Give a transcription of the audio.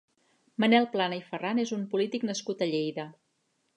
Manel Plana i Farran és un polític nascut a Lleida.